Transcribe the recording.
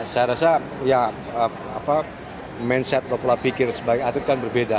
saya rasa ya apa mindset pokoknya pikir sebagai atlet kan berbeda